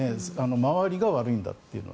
周りが悪いんだというのは。